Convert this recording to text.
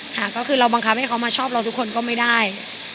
ค่ะก็คือเราบังคับให้เขามาชอบเราทุกคนก็ไม่ได้